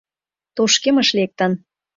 — Тошкемыш лектын.